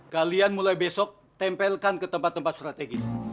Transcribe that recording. kalian mulai besok tempelkan ke tempat tempat strategis